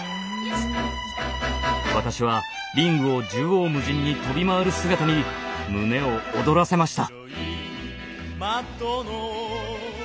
私はリングを縦横無尽に飛び回る姿に胸を躍らせました。